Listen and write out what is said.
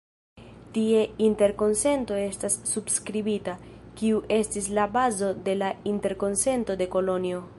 Tie interkonsento estas subskribita, kiu estis la bazo de la Interkonsento de Kolonjo.